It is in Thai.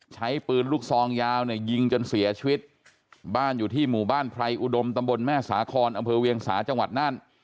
ใช้ปืนลูกซองยาวเนี่ยยิงจนเสียชีวิตบ้านอยู่ที่หมู่บ้านไพรอุดมตำบลแม่สาคอนอำเภอเวียงสาจังหวัดน่าน